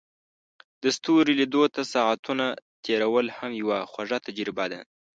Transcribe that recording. د ستورو لیدو ته ساعتونه تیرول هم یوه خوږه تجربه ده.